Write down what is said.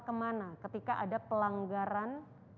kemana ketika ada pelanggaran